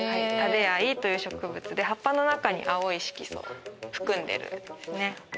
タデアイという植物で葉っぱの中に青い色素を含んでいるんですね。